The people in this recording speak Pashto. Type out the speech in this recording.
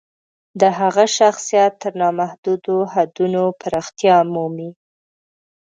د هغه شخصیت تر نامحدودو حدونو پراختیا مومي.